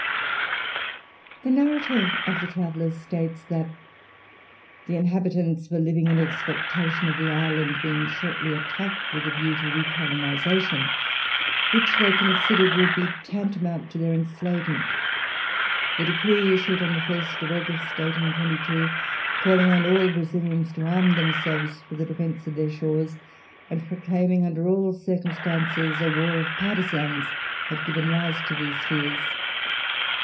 The narrative of the travellers states that "the inhabitants were living in expectation of the island being shortly attacked with the view to recolonization, which they considered would be tantamount to their enslavement. The decree issued on the 1st August, 1822, calling on all Brazilians to arm themselves for the defence of their shores and proclaiming under all circumstances a war of partisans had given rise to these fears.